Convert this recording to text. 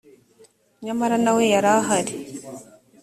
nyamara nawe yarahari.